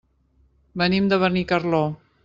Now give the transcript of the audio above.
Venim de Benicarló.